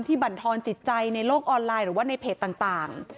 บรรทอนจิตใจในโลกออนไลน์หรือว่าในเพจต่าง